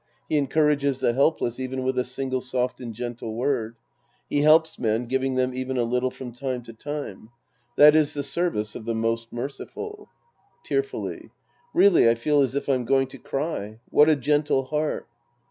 He encourages the helpless even with a single soft and gentle word. He helps men, giving them even a little from time to time. That is the semce of the Most Merciful. {Tearfully.) Really I feel as if I'm going to cry. What a gentle heart